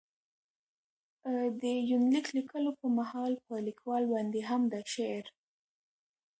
دې يونليک ليکلو په مهال، په ليکوال باندې هم د شعر.